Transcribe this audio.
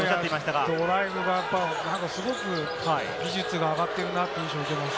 ドライブもね、すごく技術が上がってるなという印象を受けます。